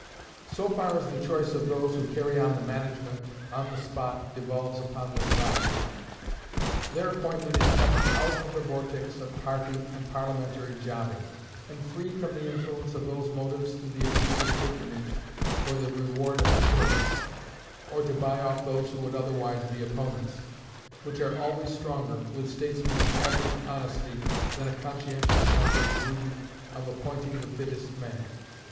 So far as the choice of those who carry on the management on the spot devolves upon this body, their appointment is kept out of the vortex of party and Parliamentary jobbing, and freed from the influence of those motives to the abuse of patronage for the reward of adherents, or to buy off those who would otherwise be opponents, which are always stronger with statesmen of average honesty than a conscientious sense of the duty of appointing the fittest man.